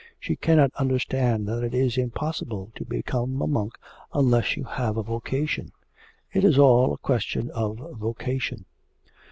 She cannot understand that it is impossible to become a monk unless you have a vocation. It is all a question of vocation.'